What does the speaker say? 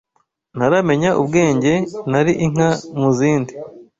Ntaramenya ubwenge Nali inka mu zindi